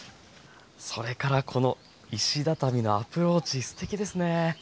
それからこの石畳のアプローチすてきですね。